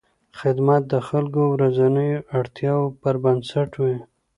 خدمت د خلکو د ورځنیو اړتیاوو پر بنسټ وي.